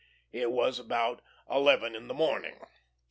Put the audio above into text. It was about eleven in the morning.